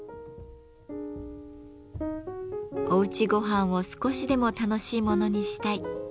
おうちごはんを少しでも楽しいものにしたい。